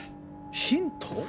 ヒント？